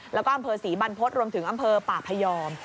แล้วก็อำเภอศรีบรรพฤษรวมถึงอำเภอป่าพยอม